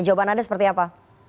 jawaban anda seperti apa